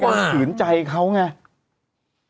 มันเป็นการขืนใจเขาไง